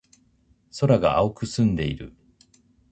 空が青く澄んでいる。